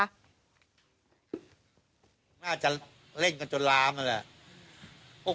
น่าจะเล่นกันจนลามนั่นแหละ